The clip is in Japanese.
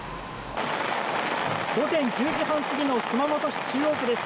午前１０時半過ぎの熊本市中央区です。